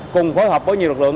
cùng phối hợp với nhiều lực lượng